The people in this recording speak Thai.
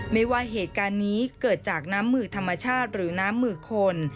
ไม่ว่าเหตุการณ์นี้เกิดจากน้ำมือธรรมชาติหรือน้ำมือคน